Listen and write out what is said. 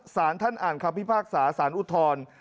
ศาลท่านอ่านครับพิพากษาศาลอุทธรณ์